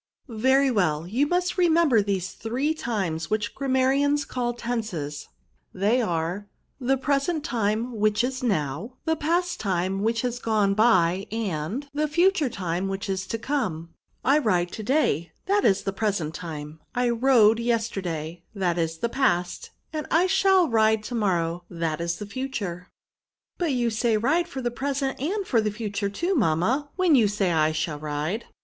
" Very well ; you must remember these three times, which grammarians call tenses ; they are — The present time, which is now ; The past time, which is gone by; and The future time, which is to come ; I ride to day, that is the present time : I rode yesterday, that is the past ; and I shall ride to morrow, that is the fu ture." SI 4 TERB9. '* But you say ride for the present and for the future too, mamma, when you say I shaU ride."